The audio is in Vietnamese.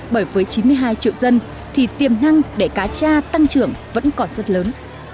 bởi với chín mươi hai triệu dân thì tiềm năng để cá tra tăng trưởng vẫn còn rất lớn